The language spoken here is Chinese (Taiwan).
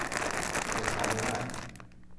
口才無礙